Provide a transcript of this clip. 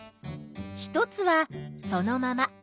一つはそのまま。